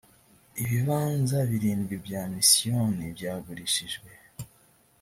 ibibanza birindwi bya misiyoni byagurishijwe.